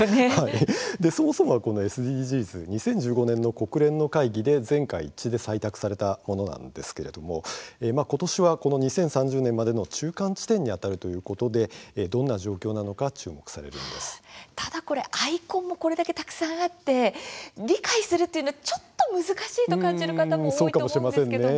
そもそもこのＳＤＧｓ２０１５年の国連の会議で全会一致で採択されたものなんですが今年は２０３０年までの中間地点に当たるということでどんな状況なのかただ、このアイコンもたくさんあって理解するのは難しいと感じる方も多いですよね。